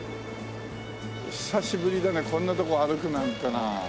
久しぶりだねこんなとこ歩くなんてのは。